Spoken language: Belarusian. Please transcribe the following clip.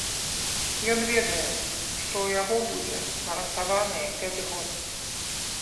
Ён ведае, што ў яго будзе гарантаваныя пяць год.